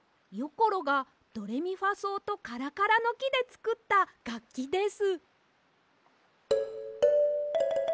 ころがドレミファそうとカラカラのきでつくったがっきです。